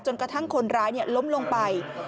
กระทั่งคนร้ายล้มลงไป